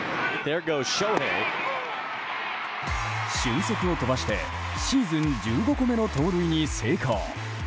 俊足を飛ばしてシーズン１５個目の盗塁に成功！